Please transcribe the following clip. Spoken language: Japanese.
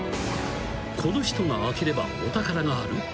［この人が開ければお宝がある？］